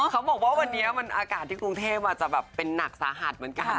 เขาบอกว่าวันนี้มันอากาศที่กรุงเทพอาจจะแบบเป็นหนักสาหัสเหมือนกัน